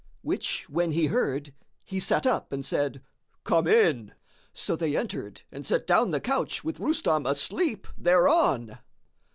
which when he heard, he sat up and said, "Come in." So they entered and set down the couch with Rustam asleep thereon.